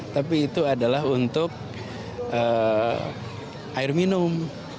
tapi itu adalah untuk air minum